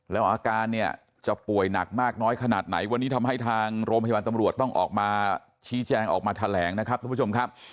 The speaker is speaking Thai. แล้วอาการเนี่ยจะป่วยหนักมากน้อยขนาดไหนวันนี้ทำให้ทางโรงพยาบาลตำรวจต้องออกมาชี้แจงออกมาแถลงนะครับทุกผู้ชมครับ